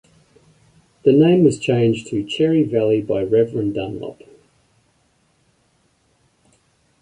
The name was changed to Cherry Valley by Reverend Dunlop.